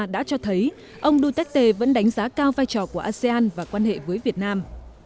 đã cho thấy ông duterte vẫn đánh giá cao vai trò của asean và quan hệ với việt nam